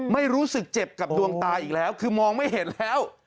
ไม่รู้สึกเจ็บกับดวงตาอีกแล้วคือมองไม่เห็นแล้ว